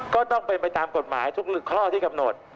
ก็ต้องเป็นไปตามกฎหมายทุกข้อที่กำหนด